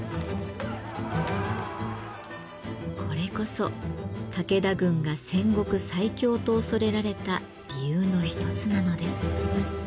これこそ武田軍が戦国最強と恐れられた理由の一つなのです。